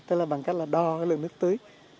tức là bằng cách đo lượng nước tưới